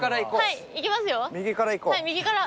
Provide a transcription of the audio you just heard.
はい右から。